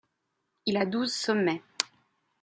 Il a douze sommets.